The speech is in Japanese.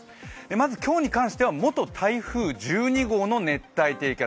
まず今日に関しては元台風１２号の熱帯低気圧。